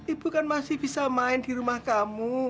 ibu kan masih bisa main di rumah kamu